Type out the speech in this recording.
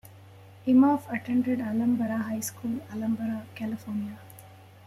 Imhoff attended Alhambra High School, Alhambra, California.